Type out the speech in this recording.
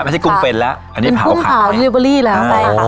ไม่ใช่กุ้งเป็นแล้วอันนี้เผาขายเป็นกุ้งเผาเดริเวอรี่แล้วอ๋อ